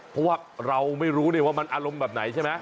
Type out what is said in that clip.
เพราะว่าเราไม่รู้ว่ามันอารมณ์แบบไหนใช่ไหม